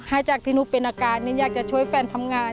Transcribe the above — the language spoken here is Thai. จากที่หนูเป็นอาการนิ้นอยากจะช่วยแฟนทำงาน